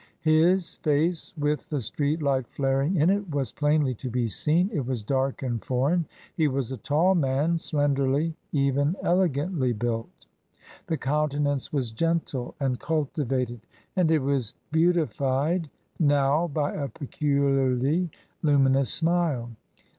His face with the street light flaring in it was plainly to be seen ; it was dark and foreign; he was a tall man, slenderly even elegantly built. The countenance was gentle and culti vated, and it was beautified now by a peculiarly lumi nous smile.